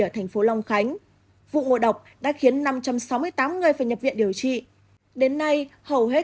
ở thành phố long khánh vụ ngộ độc đã khiến năm trăm sáu mươi tám người phải nhập viện điều trị đến nay hầu hết